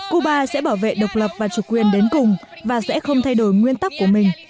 cuba sẽ bảo vệ độc lập và chủ quyền đến cùng và sẽ không thay đổi nguyên tắc của mình